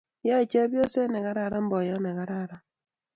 Yoe chepyoset negararan boyot negararan